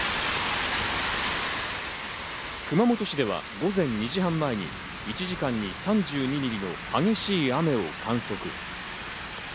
熊本市では午前２時半前に１時間に３２ミリの激しい雨を観測。